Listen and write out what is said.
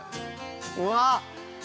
うわっ。